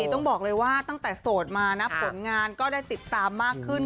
ต้องบอกเลยว่าตั้งแต่โสดมานะผลงานก็ได้ติดตามมากขึ้น